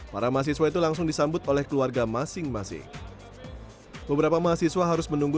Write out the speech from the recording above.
para mahasiswa itu langsung disambut oleh keluarga masing masing beberapa mahasiswa harus menunggu